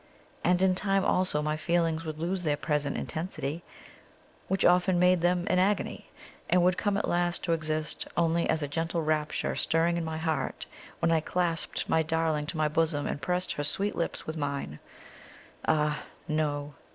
And in time also my feelings would lose their present intensity, which often made them an agony, and would come at last to exist only as a gentle rapture stirring in my heart when I clasped my darling to my bosom and pressed her sweet lips with mine. Ah, no!